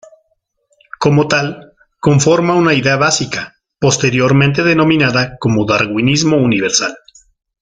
Como tal, conforma una idea básica posteriormente denominada como "Darwinismo Universal".